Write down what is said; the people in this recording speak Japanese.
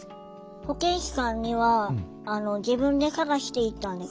保健師さんには自分で探して行ったんですか？